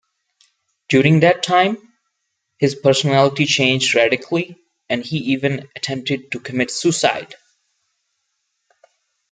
During that time his personality changed radically and he even attempted to commit suicide.